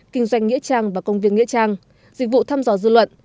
kinh doanh nghĩa trang và công viên nghĩa trang dịch vụ thăm dò dư luận